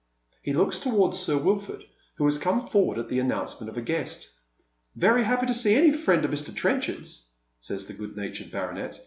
He looks towards Sir Wilford, who has come forward at the announcement of a guest. " Very happy to see any friend of Mr. Trenchard's," says the good natured baronet.